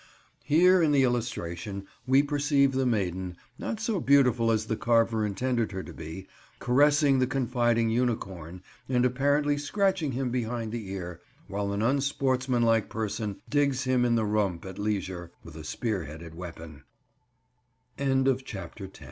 Here, in the illustration, we perceive the maiden, not so beautiful as the carver intended her to be, caressing the confiding unicorn and apparently scratching him behind the ear, while an unsportsmanlike person digs him in the rump at leisure, with a spear headed we